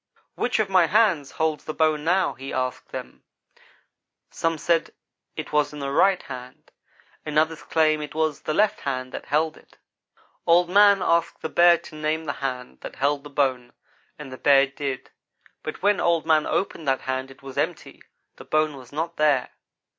"'Which of my hands holds the bone now?' he asked them. "Some said it was in the right hand and others claimed that it was the left hand that held it. Old man asked the Bear to name the hand that held the bone, and the Bear did; but when Old man opened that hand it was empty the bone was not there.